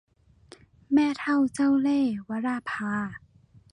แม่เฒ่าเจ้าเล่ห์ - วราภา